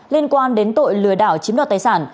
liên quan đến tội lừa đảo chiếm đoạt tài sản